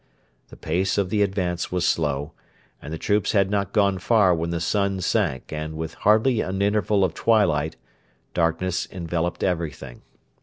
The pace of the advance was slow, and the troops had not gone far when the sun sank and, with hardly an interval of twilight, darkness enveloped everything.